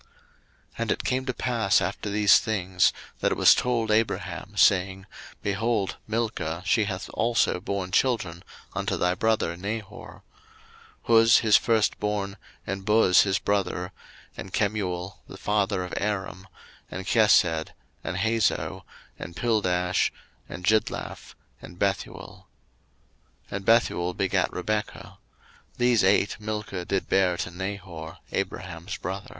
01:022:020 And it came to pass after these things, that it was told Abraham, saying, Behold, Milcah, she hath also born children unto thy brother Nahor; 01:022:021 Huz his firstborn, and Buz his brother, and Kemuel the father of Aram, 01:022:022 And Chesed, and Hazo, and Pildash, and Jidlaph, and Bethuel. 01:022:023 And Bethuel begat Rebekah: these eight Milcah did bear to Nahor, Abraham's brother.